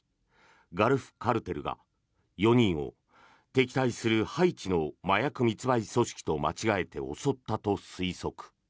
ガルフ・カルテルが４人を、敵対するハイチの麻薬密売組織と間違えて襲ったと推測。